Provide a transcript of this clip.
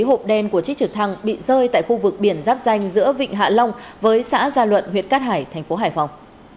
hộp đen của chiếc trực thăng bị rơi tại khu vực biển giáp danh giữa vịnh hạ long với xã gia luận huyệt cát hải tp hải phòng